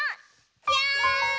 じゃん！